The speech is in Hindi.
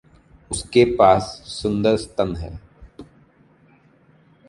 उसके पास सुंदर स्तन हैं।